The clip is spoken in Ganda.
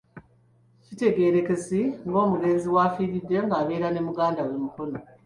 Kitegeerekese ng'omugenzi w'afiiridde ng'abeera ne muganda we e Mukono.